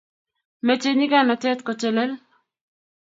meche nyikanatet kotelel